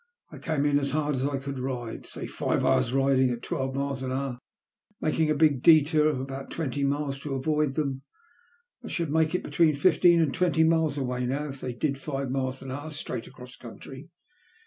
I came in as hard as I could ride ; say five hours riding at twelve miles an hour, making a big detour of about twenty miles, to avoid them. That should make between fifteen and twenty miles away now if they did five miles an hour straight across country."